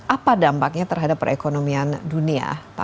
apa dampaknya terhadap perekonomian dunia